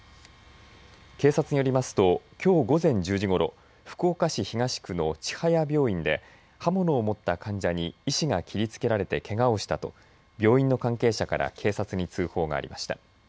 警察によりますと、きょう午前１０時ごろ福岡市東区の千早病院で刃物を持った患者に医師が切りつけられてけがをしたと病院の関係者から警察に通報がありました。